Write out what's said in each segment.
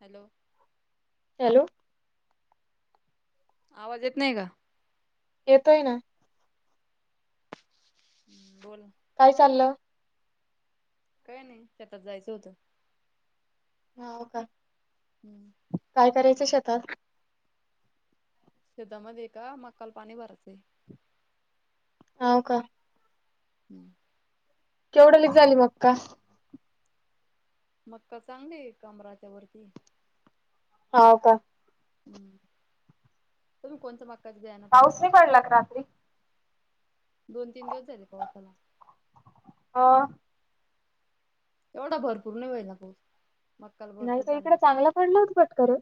Hello. Hello आवाज येत नाही का? येतोय ना हम्म बोला काय चाललं? काय नाही शेतात जायचं होतं. हा हो का? हम्म काय करायचं शेतात? शेता मध्ये का मक्का ला पाणी भरायचंय? हो का? हम्म केवढा ली झाली मक्का? मक्का चांगलीये कमराच्या वरती हाव का. हम्म तुम्ही कोणतं मक्काचं बियाणं पेरता? पाऊस नाही पडला का रात्री दोन-तीन दिवस झाले पावसाला. हा एवढा भरपूर नाही ना पाऊस. मक्काला नाही भरपूर ताई पाणी इकडं लागत चांगला पडला होता पटकरत.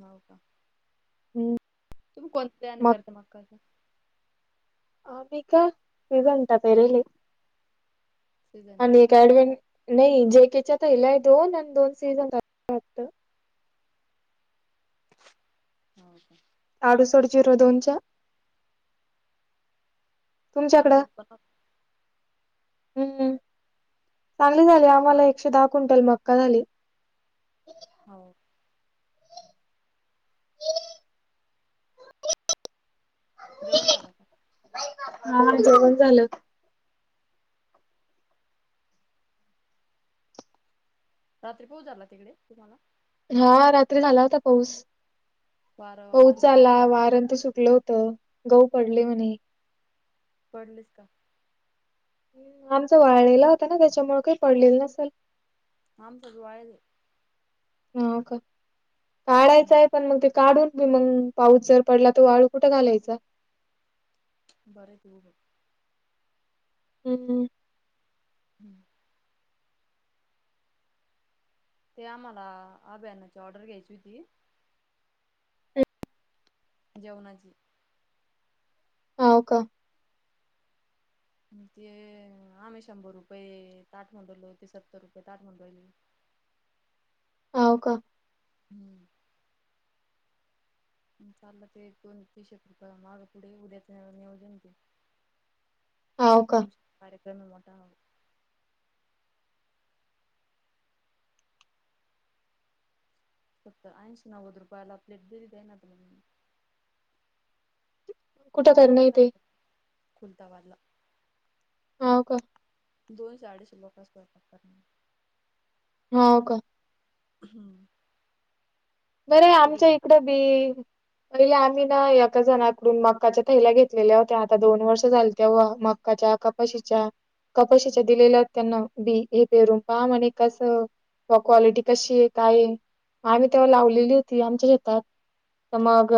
हो का हम्म तुम्ही कोणतं बियाणं मग पेरता मक्काचं? आम्ही का पेजेंटा पेरले. सीझनला आणि एक [unintelligible] नाही जेकेच्या थेल्या दोन आणि दोन [unintelligible] हो का. आडुसट झिरो दोनच्या. चांगलं तुमच्याकडं उत्पन्न हम्म. चांगलं झालय हा आम्हाला एकशे दहा क्विंटल मक्का झालय. हो. जेवण झालं का? हो जेवण झालं. रात्री पाऊस झाला तिकडे तुम्हाला? हा रात्री झाला होता वारा होता पाऊस-पाऊस ना काही झाला वारं नं तें सुटलं. तं गहू पडले म्हणे. पडलेच का? आमचा वाळलेला होता ना त्याच्यामुळे काही पडलेलं नसेल. आमचा तर वाळा हे हा का हम्म. काढयचंय पण मग ते काढून मग पाऊस जर पडला तर वाळू कुठं घालायचं? बरं हाय तें उभं हाय हम्म. हम्म ते आम्हाला अभ्यानाची ऑर्डर घ्यायची होती. [unintelligible] जेवणाची. हा का? ते आम्ही शंभर रुपये ताठ म्हणून राहिलो, ते सत्तर रुपये ताठ म्हणून राहिले. हो का. हम्म. चालला ते दोन तीशेट रुपया मागं पुढे उद्याच नियोजन ते. हाव का तुमचत कार्यक्रम य मोटा आइनशी नव्वद रुपयाला प्लेट दिली तेयन तर मंग कुठं कर मूवी नाही ते कार, खुलतावाल्ला. हाव का दोनशे अडीशे लोकांचा स्वयंपाक करणार. हो का. हम्म. बरय आमच्या इकडं बी पहिले आम्ही ना एका जणाकडून मक्काच्या थैल्या घेतलेल्या होत्या, आता दोन वर्ष झाले त्येव्हा मग मकाच्या, कपाशीच्या, कपाशीच्या दिलेल्याय त्यांन बी, हे पेरूम पहा म्हणे कसं, क्वालिटी कशीय कायय. आम्ही तेव्हा लावलेली होती आमच्या शेतात,, तर मग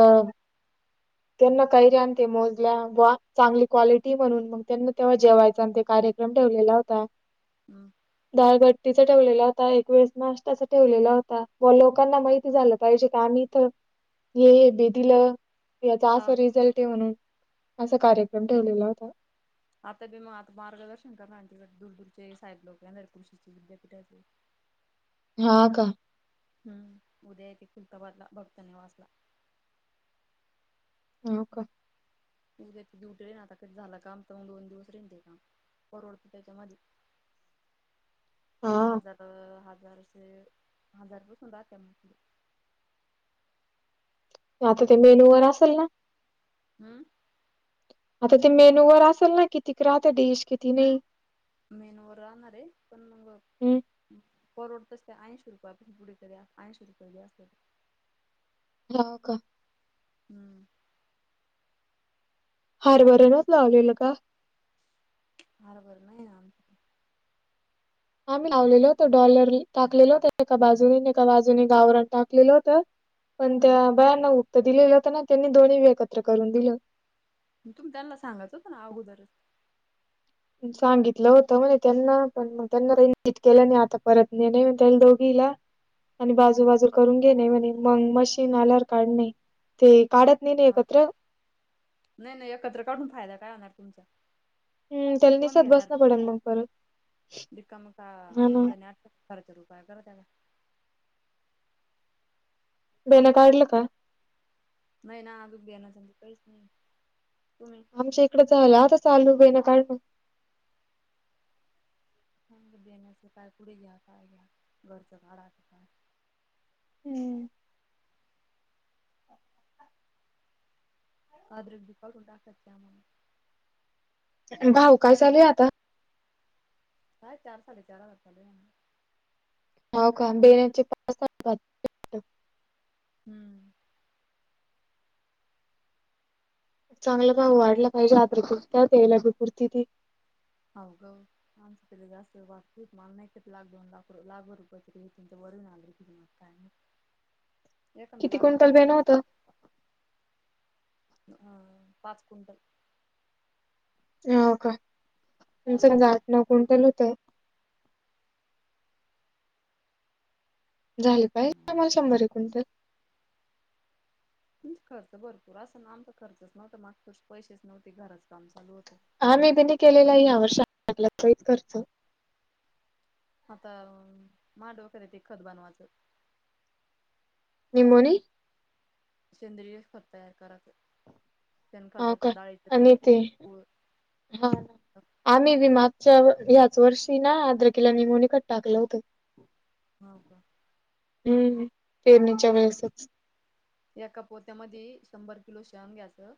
त्यांना कैर्या आणी ते मोजल्या, वा चांगली क्वालिटीय म्हणून त्यांना तेव्हा जेवायचान ते कार्यक्रम ठेवलेला होता. हम्म डाळगट्टीचा ठेवलेला होता, एक वेळेस नाष्ट्ताचा ठेवलेला होता, वा लोकांना माहिती झालं पाहिजे का आम्ही तर हे हे बी दीलं याचा असं हा रिझल्ट आहे म्हणून,, असा कार्यक्रम ठेवलेला होता. आता बी म मार्गदर्शन करणार, त दुरदूरचे साहेब लोक नर कृशीचे विद्यापीठाचे. हा का. हम्म,, उद्या येती खूल्ताबादला भक्त निवासला. हो का. त ड्युटी रेन आता कध झालं काम, तर दोन दिवस रेन ते काम, परवडते त्याच्या मधी. [inaudible] हा हजार हजारशे हजार रुपे सु होधा त्या आता ते मेनू वर असल ना. हं आता ते मेन्यू वर असल ना कितीक राहते डिश कितीक नई. मीनु वर राहणार रे,, पण मंग हम्म. परवडते असते, ऐशीरुपये पासुन कुठेतरी ऐंशी रुपये जास्त हो का. हम्म हार वरणूच लावलेलं का? हारभरं नई ना आम्ही लावलेल होतो, डॉलर टाकलेलो होत एका बाजूने आन एका बाजूने गावराण टाकलेलं होतं. पण हम्म त्या बायांना उक्त दिलेलं होतं ना, त्यांनी दोन्हीबी एकत्र करून दिलं. म तुम्ही त्यांना सांगायचं होतं ना आगोदरच. सांगितलं होत म्हणे त्यांना, पण मग त्यांना रट इतकन केलं नाही आता परत न नाही त्याला दोघीला. [inaudible] आणि हम्म बाजूबाजू करून घेणे म्हणे, मग मशीन आल्यावर काढणे, ते काढत नाही ना हा एकत्र नाही नाही एकत्र काढून फायदा काय होणार तुमचा हम्म त्याला कोण निसत घेणार? बसणं पडेल मग परत रिकाम का हा ना आम दनी आट फरच रूपय करत आल्या. बेनं काढलं का? नाही ना अजून बेन काहीच नाही तुम्ही. आमच्या इकडं झालं आजच चालू बेन काढलं. हम, बेनच काय पुढे घ्या का घ घरचं काढ काय. हम्म, आदृिकॉल [unintelligible] सत मग भाऊ काय चालू आता. काय चार साडे चार हजार चालू हाय म्हणे. होव का, बेनाची पा ''--'' हम्म, चांगलं भा वाढला पाहिजे आ्र कुती यायलागी कुर्ती ती. हावग. आमचं तरी जास्त वाग मला नाहीतरी लाकडाऊ लाख लाखोर रुपया तरी तुं वरून आलं कि, काय माहीत. किती क्विंटल बेणं होतं. अ, पाच क्विंटल. होव का, आमच हो आठ नऊ क्विंटल होतं. झाल काय पाहिजेमला शंभर क्विंटल. तुमच खर्च भरपूर असा ना आमचा खर्च नव्हतं माग त पैसेच नव्हते घरच काम चालू होतं. हा मी पण केलेला या [inaudible] वर्षात करतो आता माडवखर य ते खत बनवायचं. निमोनि. सेंद्रिय खत तयार करायचं शेण हा खाताच का डाळीचं आणि पीठ ते गु ळ. हा ना, आम्ही बी मागच्या ह्याच वर्षी ना आदरकीला निमोनि खत टाकलं होतं. हाव का, हम्म, पेरणीच्या वेळेसच. एका पोत्यामधी शंभर किलो शयन घ्यायचं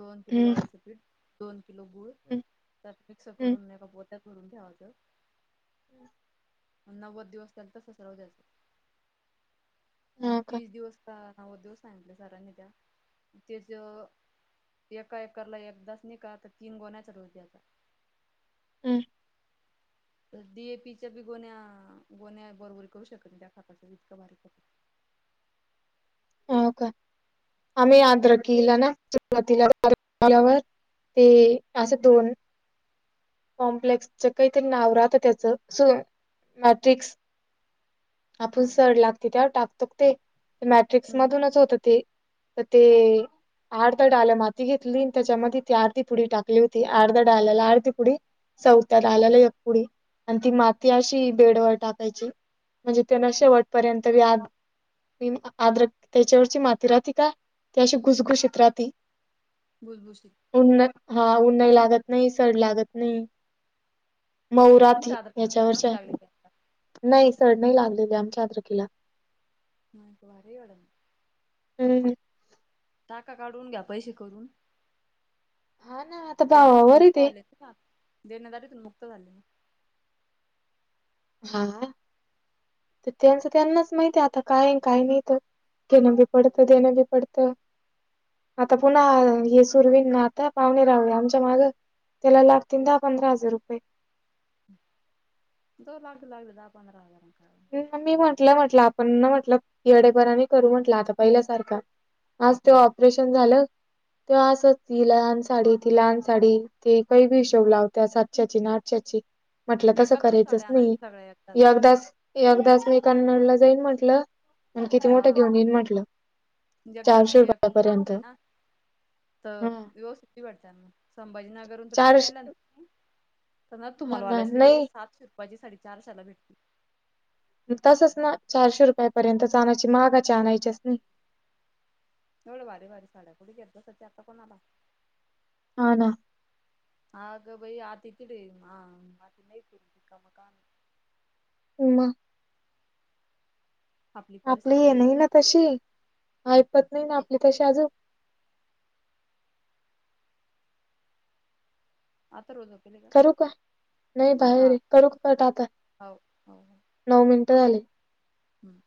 दोन किलो हम्म डाळीच पीठ. दोन किलो गुळ हम्म त्यात मिक्स हम्म करून एका पोत्यात भरून ठेवायच. अन नव्वद दिवस त्याला तस च राहू द्यायच. नाही हो का तीस दिवस का नव्वद दिवस सांगितले सरांनी त्या तीस दी''--'' एका एकरला एकदाच निका तर तीन गोण्या चढवत्या आत्ता. हम्म, तर डीएपी च्या बी गोन्या गोन्या बरोबरी करू शकत नाही त्या खातच्या इतकां भारी खत. हाव काय हो आम्ही आद्रकिला ना. चरातिला [inaudible] आल्यावर ते असं दोन कॉम्प्लेक्सच कायतरी नाव राहत त्याचं स मॅट्रिक्स. आपुण हो सड लागते त्यावर टाकत्यात ते मॅटिक. ट्रिक्स हम्म मधूनच होत ते तर ते. अर्ध्या डाळ माती घेतली आणि त्याच्यामध्ये ती आर्धी पुडी टाकली होती अर्ध्या डाल्याला आर्धी पुडी. चवत्या डाल्याला एक पुढि आणि ती माती अशी बेडवर टाकायची. म्हणजे तेना शेवटपर्यंत तरी आ आद्रकतेवरची माती राहते का. ती अशी हम्म खूसखुशित राहती. भुसभुशीत उन्नत हा, उन्नई लागत नाही सड लागत नाही. मऊ राहती तुमच्या आधार कार्ड सड याच्यावरच्या, नव्हती लागली त्यांना नाही सड नाही लागलेले आमच्या अदरकीला [unintelligible] हम्म टाका काढून घ्या पैशे करून हा ना आता देण्यातून भावावर आहे मुक्त ते झालेत ना देणदारीतून मुक्त झाले. हा, ते त्यांचं त्यांनाच माहिती आहे आता काय आहे काय नाही ते घेणं बी पडतं देणं बी पडतं. आता पुन्हा हे सुरू होईन ना आता पाहुणे रावळे आमच्या मागं. त्याला लागतील दहा पंधरा हजार रुपये. [unintelligible] दहा पंधरा हजारांन काय होत मी म्हंटलंय म्हटलं आपण म्हटलं येडेपनानी करू म्हटलं आता पहिल्या सारखं आज त्यो हम्म ऑपरेशन झालं. त असच हीला आन साडी तीला आन साडी ती काही बी हिशोब लावत्या सातशाची ना आठशाची म्हटलं तसं एकत्रच करायचंच साड्या नाही आणायच्या सगळ्या एकदाच यगदाच यगदाच मी कन्नडला जाईन म्हंटलं आणि किती मोठं हा घेऊन येईन म्हंटलं एकदा चारशे एकत्र रुपयापर्यंत. घेतल्या ना तर व्यवस्था होती वाटतं त्याना संभाजीनगरहुन तर कधी चारशे नेला [unintelligible] हा तुम्हाला ना वाल्यासि रे नाही सातशे रुपयाची साडी चारशेला भेटती तसच ना चारशे रुपयापर्यंतच आणायची महागाची आणायच्याच नाही एवढं भारी भारी साड्या कुट घेत बसायच्या आता कोणाला हा ना आग बाई आती तीड आहे, आ आती नाही करू देत रिकाम कामे ऊमा आपली हे नाही ना तशी ऐपत नाही ना आपली तशी आजू आथर्व झोपेल का? करू का, नाही बाहेरे हा आहे, करू कट आता हो नऊ मिनटं झाली. हम